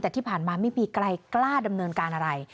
แต่ที่ผ่านมาไม่มีใครกล้าดำเนินการอะไร